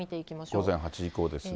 午前８時以降ですが。